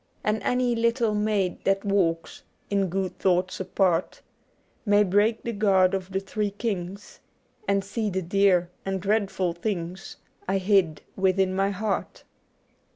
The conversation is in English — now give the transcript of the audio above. * And any little maid that walks In good thoughts apart. May break the guard of the Three Kings, And see the dear and dreadful things I hid within my heart.'